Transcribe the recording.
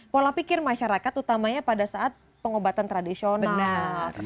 pola pikir masyarakat utamanya pada saat pengobatan tradisional